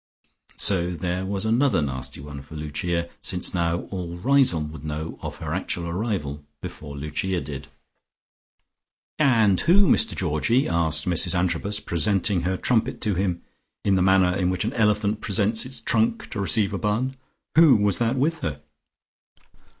So there was another nasty one for Lucia, since now all Riseholme would know of her actual arrival before Lucia did. "And who, Mr Georgie," asked Mrs Antrobus presenting her trumpet to him in the manner in which an elephant presents its trunk to receive a bun, "who was that with her?"